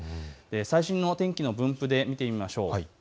最新の天気の分布で見てみましょう。